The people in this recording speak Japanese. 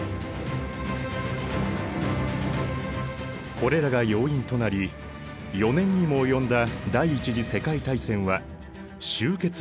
これらが要因となり４年にも及んだ第一次世界大戦は終結を迎えた。